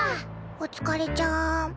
お疲れちゃん。